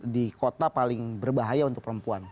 di kota paling berbahaya untuk perempuan